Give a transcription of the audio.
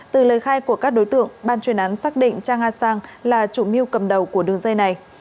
từ lời khai của các đối tượng ban truyền án xác định trang a sang là chủ mưu cầm đầu của đường dây này